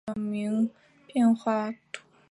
圣贡德朗人口变化图示